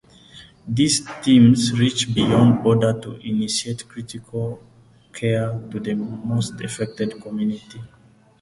These teams reach beyond borders to initiate critical care to the most effected communities.